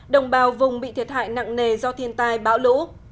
đồng bào vùng bị thiệt hại nặng nề do thiên tai bão lũ